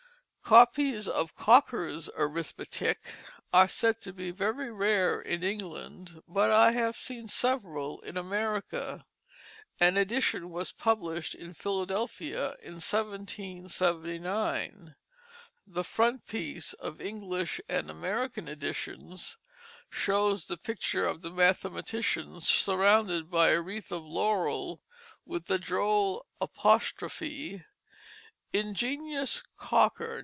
Copies of Cocker's Arithmetick are said to be very rare in England, but I have seen several in America. An edition was published in Philadelphia in 1779. The frontispiece of English and American editions shows the picture of the mathematician surrounded by a wreath of laurel with the droll apostrophe: "Ingenious Cocker!